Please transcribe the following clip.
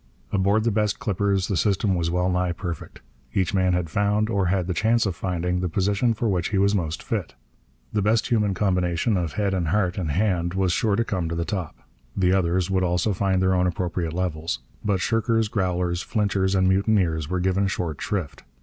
Aboard the best clippers the system was well nigh perfect. Each man had found, or had the chance of finding, the position for which he was most fit. The best human combination of head and heart and hand was sure to come to the top. The others would also find their own appropriate levels. But shirkers, growlers, flinchers, and mutineers were given short shrift.